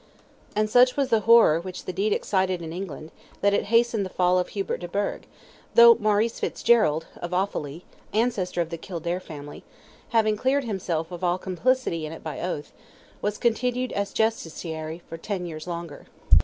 And such was the horror which the deed excited in England, that it hastened the fall of Hubert de Burgh, though Maurice Fitzgerald, of Offally—ancestor of the Kildare family—having cleared himself of all complicity in it by oath—was continued as Justiciary for ten years longer.